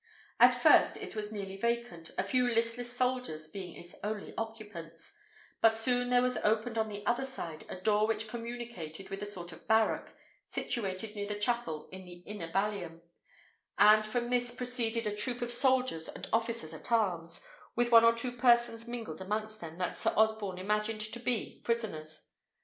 At first it was nearly vacant, a few listless soldiers being its only occupants; but soon there was opened on the other side a door which communicated with a sort of barrack, situated near the chapel in the inner ballium, and from this proceeded a troop of soldiers and officers at arms, with one or two persons mingled amongst them that Sir Osborne imagined to be prisoners.